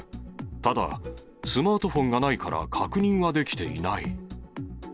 ただ、スマートフォンがないから確認はできていない。